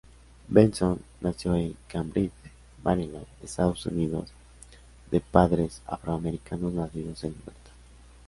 Benson nació en Cambridge, Maryland, Estados Unidos, de padres afroamericanos nacidos en libertad.